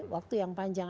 waktu yang panjang